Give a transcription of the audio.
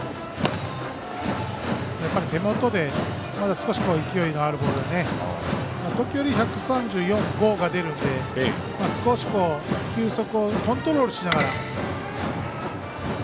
手元で少し勢いのあるボールが時折１３４、１３５が出るので少し球速をコントロールしながら。